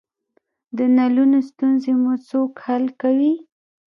د نلونو ستونزې مو څوک حل کوی؟